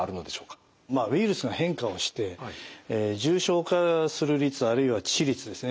まあウイルスが変化をして重症化する率あるいは致死率ですね